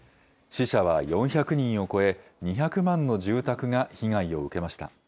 死者は４００人を超え、２００万の住宅が被害を受けました。